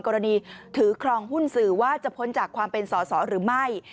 หรือถือครองหุ้นสื่อว่าจะพ้นจากความเป็นสอสอหรือไม่